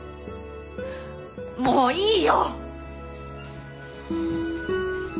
もういいよ！